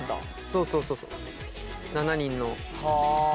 そうそうそうそう７人の。